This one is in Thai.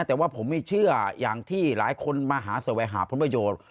แต่ว่าผมไม่เชื่ออย่างที่หลายคนมาหาแสวงหาผลประโยชน์